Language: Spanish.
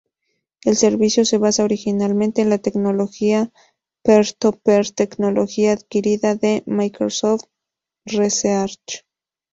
El servicio se basa originalmente en la tecnología peer-to-peer tecnología adquirida de Microsoft Research.